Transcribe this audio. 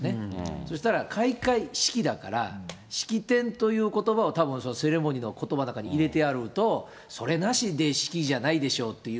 そしたら開会式だから、式典ということばをセレモニーのことばの中に入れてあると、それなしで式じゃないでしょという。